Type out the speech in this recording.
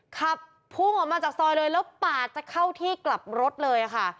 ขับพุ่งออกมาจากซอยเลยแล้วปาดจะเข้าที่กลับรถเลยค่ะ